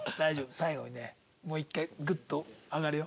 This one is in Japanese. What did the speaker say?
最後にねもう一回グッと上がるよ。